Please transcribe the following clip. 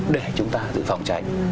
để chúng ta giữ phòng tránh